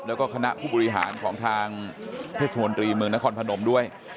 แล้วก็คณะผู้บริหารของทางเทศมนตรีเมืองนครพนมด้วย